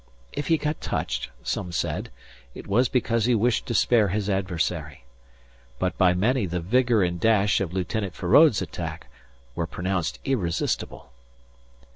If he got touched, some said, it was because he wished to spare his adversary. But by many the vigour and dash of Lieutenant Feraud's attack were pronounced irresistible.